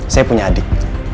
saya punya adik